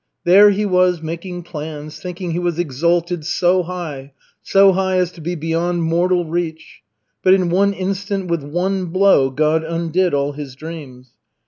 There he was making plans, thinking he was exalted so high, so high as to be beyond mortal reach. But in one instant with one blow God undid all his dreams.